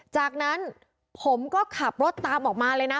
จากนั้นผมก็ขับรถตามออกมาเลยนะ